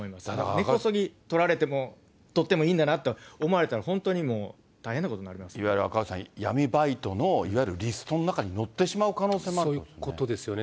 根こそぎ取られても、取ってもいいんだなと思われたら、本当にも赤星さん、闇バイトのいわゆるリストの中に載ってしまう可能性もあるというそういうことですよね。